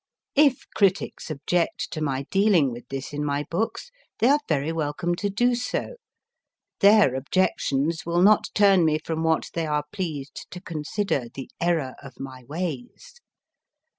If critics object to my MARIE CORELLI 2I 5 dealing with this in my books, they are very welcome to do so ; their objections will not turn me from \vhat they are pleased to consider the error of my ways.